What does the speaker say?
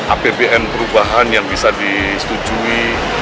apbn perubahan yang bisa disetujui